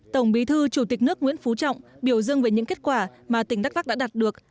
tổng bí thư chủ tịch nước nguyễn phú trọng biểu dương về những kết quả mà tỉnh đắk lắc đã đạt được